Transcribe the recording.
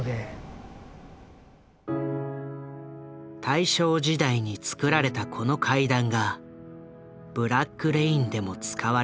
大正時代に造られたこの階段が「ブラック・レイン」でも使われた。